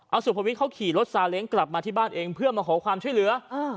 เอาสุภวิทย์เขาขี่รถซาเล้งกลับมาที่บ้านเองเพื่อมาขอความช่วยเหลือ